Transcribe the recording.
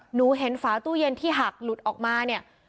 หนูเห็นฝาตู้เย็นที่หักหลุดออกมาเนี่ย